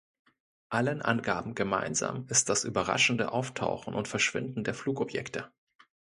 Allen Angaben gemeinsam ist das überraschende Auftauchen und Verschwinden der Flugobjekte.